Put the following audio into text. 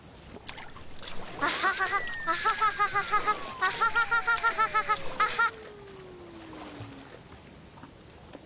アハハハアハハハハハアハハハハハアハッ。